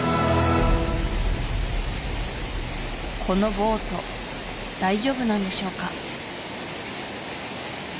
このボート大丈夫なんでしょうか？